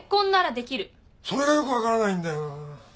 それがよく分からないんだよなあ。